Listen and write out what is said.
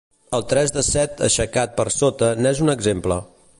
El tres de set aixecat per sota n'és un exemple.